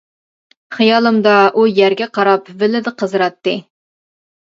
خىيالىمدا ئۇ يەرگە قاراپ ۋىللىدە قىزىراتتى.